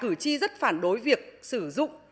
cử tri rất phản đối việc sử dụng bài tập này